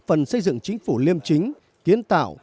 vì vậy chúng tôi có lịch sử